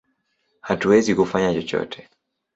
Hatuwezi kufanya chochote!